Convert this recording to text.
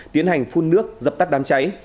tiến hành phun nước dập tắt đám cháy